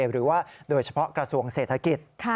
หรือว่าโดยเฉพาะกระทรวงเศรษฐกิจ